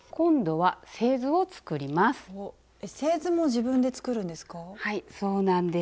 はいそうなんです。